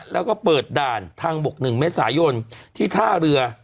แล้วก็เปิดด่านทางบก๑เมษายนที่ท่าเรือ